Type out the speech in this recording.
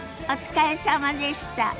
お疲れさまでした。